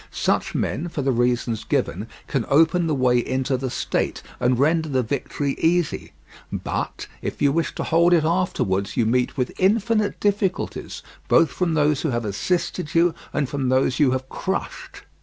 Such men, for the reasons given, can open the way into the state and render the victory easy; but if you wish to hold it afterwards, you meet with infinite difficulties, both from those who have assisted you and from those you have crushed.